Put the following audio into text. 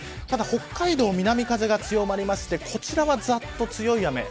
ただ北海道は南風が強まりましてこちらはざっと強い雨。